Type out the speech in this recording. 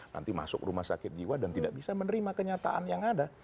nanti masuk rumah sakit jiwa dan tidak bisa menerima kenyataan yang ada